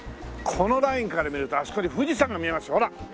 このラインから見るとあそこに富士山が見えますほら。